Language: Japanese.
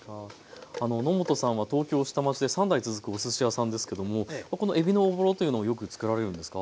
野本さんは東京下町で３代続くおすし屋さんですけどもこのえびのおぼろというのをよくつくられるんですか？